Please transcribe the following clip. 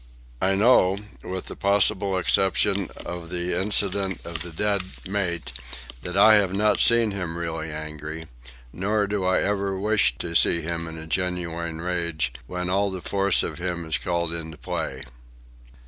I know, with the possible exception of the incident of the dead mate, that I have not seen him really angry; nor do I wish ever to see him in a genuine rage, when all the force of him is called into play.